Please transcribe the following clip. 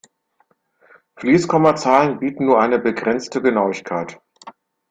Fließkommazahlen bieten nur eine begrenzte Genauigkeit.